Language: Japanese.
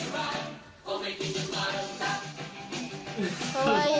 かわいい。